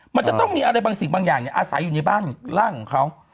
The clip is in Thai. มันจะต้องมีอะไรบางสิ่งบางอย่างอาศัยอยู่ในบ้านร่างของเขา